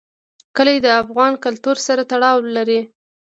کلي د افغان کلتور سره تړاو لري.